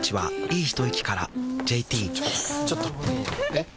えっ⁉